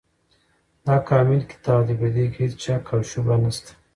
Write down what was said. دا کامل کتاب دی، په دي کي هيڅ شک او شبهه نشته